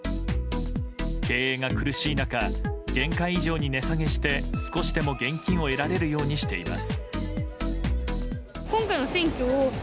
経営が苦しい中限界以上に値下げして少しでも現金を得られるようにしています。